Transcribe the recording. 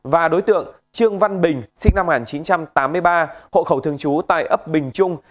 và đối tượng trương văn bình sinh năm một nghìn chín trăm tám mươi ba hộ khẩu thường trú tại ấp bình trung